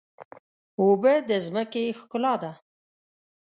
اوبه د ځمکې ښکلا ده.